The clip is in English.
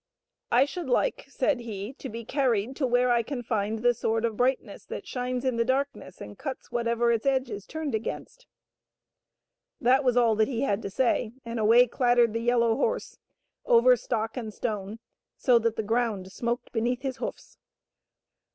" I should like," said he, " to be carried to where I can find the Sword of Brightness that shines in the darkness and cuts whatever its edge is turned against." That was all that he had to say, and away clattered the yellow horse over stock and stone so that the ground smoked beneath his hoofs.